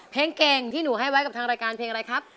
เพลงเก่งที่หนูให้ไว้กับทางรายการเพลงอะไรครับ